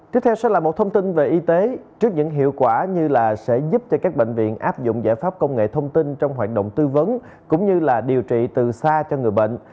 tiếp theo sẽ là một thông tin về y tế trước những hiệu quả như là sẽ giúp cho các bệnh viện áp dụng giải pháp công nghệ thông tin trong hoạt động tư vấn cũng như là điều trị từ xa cho người bệnh